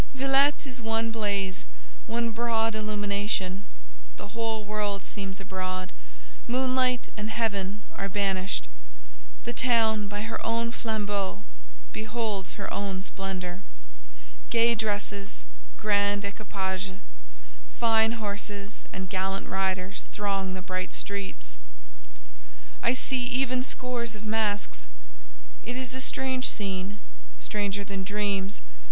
Villette is one blaze, one broad illumination; the whole world seems abroad; moonlight and heaven are banished: the town, by her own flambeaux, beholds her own splendour—gay dresses, grand equipages, fine horses and gallant riders throng the bright streets. I see even scores of masks. It is a strange scene, stranger than dreams.